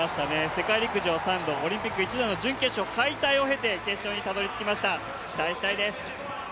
世界陸上３度、オリンピック１度準決勝敗退を経て決勝にたどり着きました、期待したいです。